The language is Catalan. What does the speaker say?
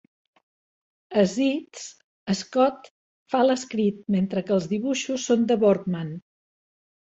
A "Zits", Scott fa l'escrit, mentre que els dibuixos són de Borgman.